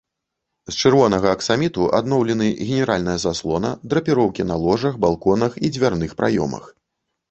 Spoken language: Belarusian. З чырвонага аксаміту адноўлены генеральная заслона, драпіроўкі на ложах, балконах і дзвярных праёмах.